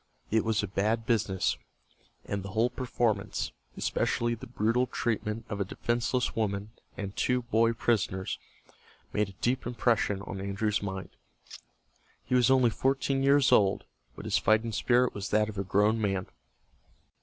It was a bad business, and the whole performance, especially the brutal treatment of a defenseless woman and two boy prisoners, made a deep impression on Andrew's mind. He was only fourteen years old, but his fighting spirit was that of a grown man.